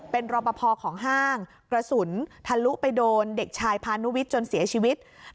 เป็นรอปภของห้างกระสุนทะลุไปโดนเด็กชายพานุวิทย์จนเสียชีวิต